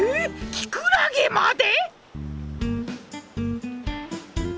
キクラゲまで？